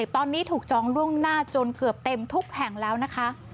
ตอนนี้ถูกจองล่วงหน้าจนเกือบเต็มทุกแห่งแล้วนะคะ